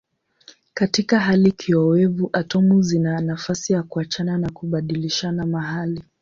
Katika hali kiowevu atomu zina nafasi ya kuachana na kubadilishana mahali.